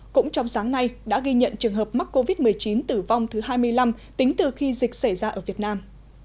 cũng trong sáng nay đã ghi nhận trường hợp mắc covid một mươi chín tử vong thứ hai mươi năm tính từ khi dịch xảy ra ở việt nam